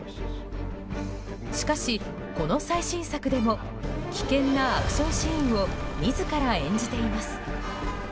しかし、この最新作でも危険なアクションシーンを自ら演じています。